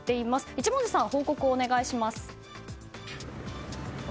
一文字さん、報告をお願いします。